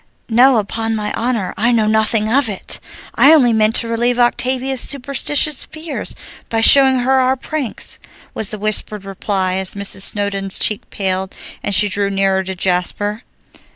"No, upon my honor, I know nothing of it! I only meant to relieve Octavia's superstitious fears by showing her our pranks" was the whispered reply as Mrs. Snowdon's cheek paled, and she drew nearer to Jasper.